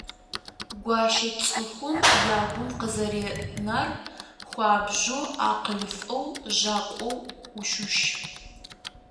Гуащэ цӏыхум я гум къызэринар хуабжьу акъылыфӀэу, жьакӀуэу, Ӏущущ.